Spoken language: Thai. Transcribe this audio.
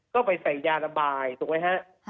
ก็ไปใส่ยาระบายถูกไหมฮะ